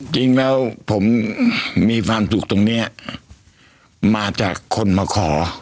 จริงแล้วผมมีความสุขตรงนี้มาจากคนมาขอ